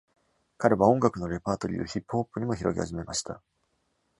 彼は音楽のレパートリーをヒップホップにも広げ始めました。